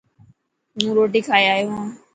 هون روٽي کائي آيو هان.